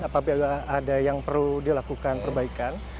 apabila ada yang perlu dilakukan perbaikan